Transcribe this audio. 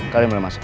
kalian boleh masuk